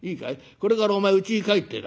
これからお前うちに帰ってだ